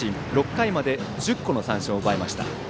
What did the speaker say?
６回まで１０個の三振を奪いました。